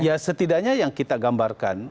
ya setidaknya yang kita gambarkan